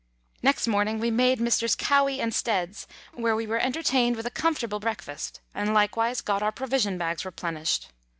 Next morning we made Messrs. Cowie and Stead's, where we were entertained with a comfortable breakfast, and likewise got our provision bags replenished.